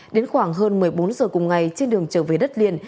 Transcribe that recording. đến khoảng hơn một mươi bốn giờ cùng ngày trên đường trở về đất liền